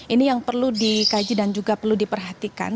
ini yang perlu dikaji dan juga perlu diperhatikan